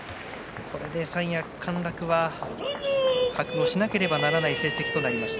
これで三役陥落は覚悟しなければならない成績となりました。